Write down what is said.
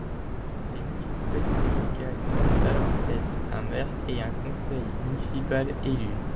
Les municipalités locales ont à leur tête un maire et un conseil municipal élu.